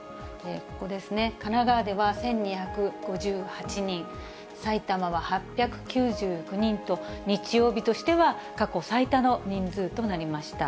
ここですね、神奈川では１２５８人、埼玉は８９９人と、日曜日としては過去最多の人数となりました。